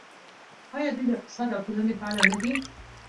آیا دوی د اقتصاد او ټولنې په اړه نه دي؟